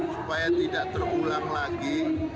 supaya tidak terulang lagi